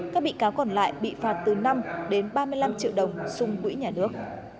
các bị cáo còn lại bị phạt từ năm đến ba mươi năm triệu đồng xung quỹ nhà nước